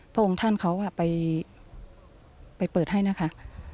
พระองค์ท่านเขาไปเปิดให้นะคะ